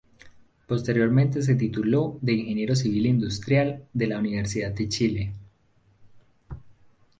Posteriormente se tituló de ingeniero civil industrial de la Universidad de Chile.